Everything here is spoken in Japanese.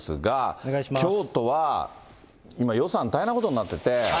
京都は今、予算大変なことになってて。